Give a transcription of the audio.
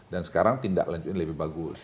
dan sekarang tindak lanjutnya lebih bagus